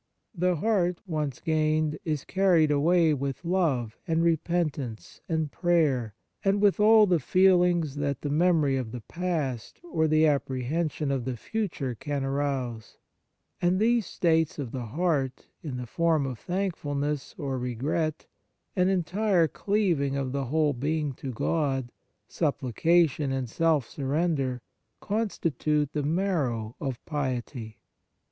The heart, once gained, is carried away with love and repentance and prayer, and with all the feelings that the memory of the past or the apprehension of the future can arouse ; and these states 49 d On Piety of the heart, in the form of thankful ness or regret, an entire cleaving of the whole being to God, supplication and self surrender, constitute the marrow of piety.